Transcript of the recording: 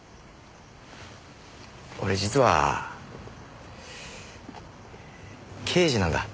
俺実は刑事なんだ。